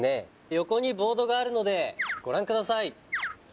横にボードがあるのでご覧ください